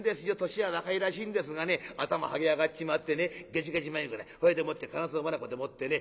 年は若いらしいんですがね頭はげ上がっちまってねゲジゲジ眉毛でそれでもってガラスのまなこでもってね